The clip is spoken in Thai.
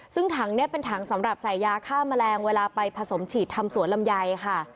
ซึ่งถังนี้เป็นถังสำหรับใส่ยาฆ่าแมลงเวลาไปผสมฉีดทำสวนลำไยค่ะ